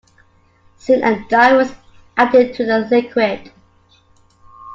Soon a dye was added to the liquid.